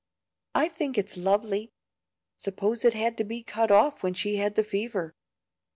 "I think it's lovely. Suppose it had to be cut off when she had the fever.